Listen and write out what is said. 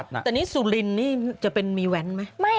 แต่นี่สุรินนี่จะเป็นมีแว้นไหม